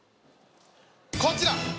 こちら。